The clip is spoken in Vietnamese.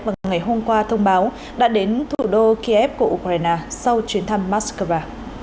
vào ngày hôm qua thông báo đã đến thủ đô kiev của ukraine sau chuyến thăm moscow